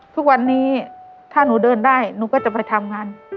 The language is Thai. ทุกวันนี้ถ้าหนูเดินได้หนูก็จะไปทำงาน